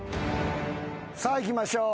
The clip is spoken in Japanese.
さあいきましょう。